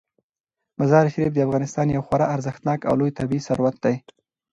مزارشریف د افغانستان یو خورا ارزښتناک او لوی طبعي ثروت دی.